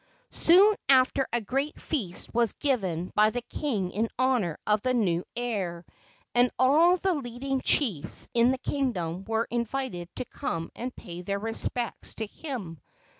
Soon after a great feast was given by the king in honor of the new heir, and all the leading chiefs in the kingdom were invited to come and pay their respects to him.